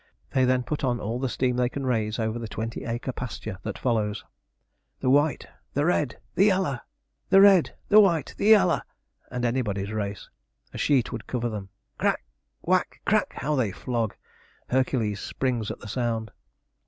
They then put on all the steam they can raise over the twenty acre pasture that follows. The white! the red! the yaller! The red! the white! the yaller! and anybody's race! A sheet would cover them! crack! whack! crack! how they flog! Hercules springs at the sound.